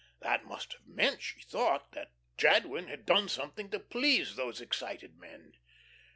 That must have meant, she thought, that Jadwin had done something to please those excited men.